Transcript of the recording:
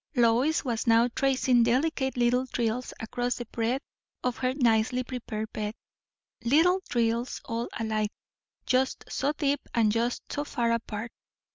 Lois was now tracing delicate little drills across the breadth of her nicely prepared bed; little drills all alike, just so deep and just so far apart.